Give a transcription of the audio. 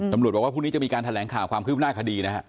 ตำรวจบอกว่าพรุ่งนี้จะมีการแถลงข่าวความคืบหน้าคดีนะฮะ